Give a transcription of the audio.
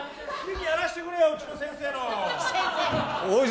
やらせてくれよー、うちの先生。